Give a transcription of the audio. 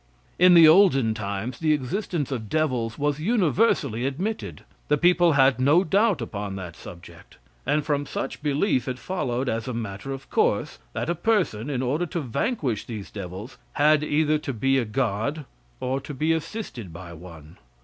In the olden times the existence of devils was universally admitted. The people had no doubt upon that subject, and from such belief it followed as a matter of course, that a person, in order to vanquish these devils, had either to be a god, or to be assisted by one.